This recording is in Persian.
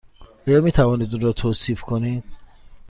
آیا می توانید او را توصیف کنید؟